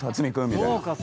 みたいな。